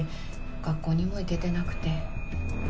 学校にも行けてなくて。